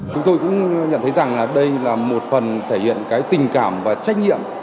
chúng tôi cũng nhận thấy rằng đây là một phần thể hiện tình cảm và trách nhiệm